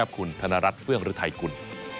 คุณธนรัฐเฟื่องฤทัยกุล